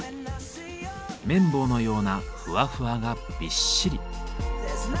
綿棒のようなふわふわがびっしり。